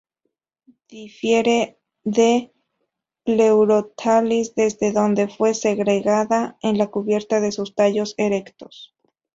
Difiere de Pleurothallis desde donde fue segregada, en la cubierta de sus tallos erectos.